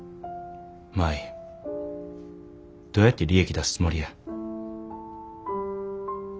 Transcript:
舞どうやって利益出すつもりや。